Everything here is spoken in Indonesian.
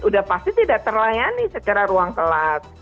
sudah pasti tidak terlayani secara ruang kelas